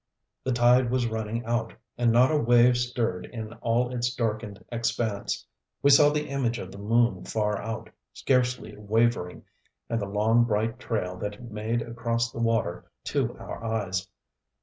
The tide was running out, and not a wave stirred in all its darkened expanse. We saw the image of the moon far out, scarcely wavering, and the long, bright trail that it made across the water to our eyes.